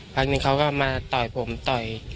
พักนึงเขาก็มาต่อยผมต่อย